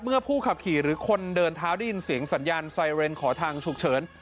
ผู้ขับขี่หรือคนเดินเท้าได้ยินเสียงสัญญาณไซเรนขอทางฉุกเฉิน